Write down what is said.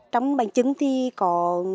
trong bánh trứng thì có